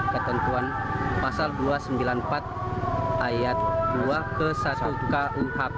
ketentuan pasal dua ratus sembilan puluh empat ayat dua ke satu kuhp